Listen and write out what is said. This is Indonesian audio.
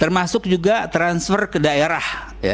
termasuk juga transfer ke daerah